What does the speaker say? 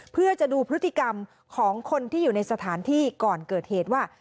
เพื่อจะดูพฤติกรรมของคนที่อยู่ในสถานที่ก่อนเกิดเหตุว่า